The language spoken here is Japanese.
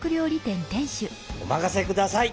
おまかせください